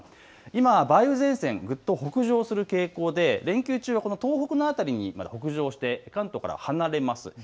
今、梅雨前線、ぐっと北上する傾向で連休中は東北の辺りの北上で関東から離れます。